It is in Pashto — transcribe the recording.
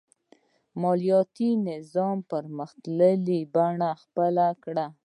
مالیاتي نظام پرمختللې بڼه خپله کړه.